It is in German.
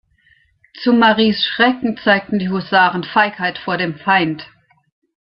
Zu Maries Schrecken zeigen die Husaren Feigheit vor dem Feind.